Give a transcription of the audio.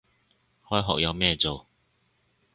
開學有咩做